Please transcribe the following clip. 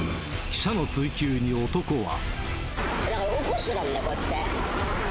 記者の追及に男は。